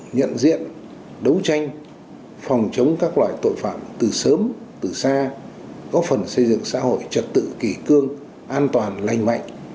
nhận diện đấu tranh phòng chống các loại tội phạm từ sớm từ xa góp phần xây dựng xã hội trật tự kỷ cương an toàn lành mạnh